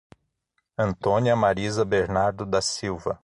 Antônia Mariza Bernardo da Silva